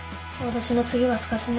脅しの次はすかしね。